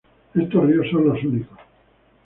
Estos ríos son los únicos.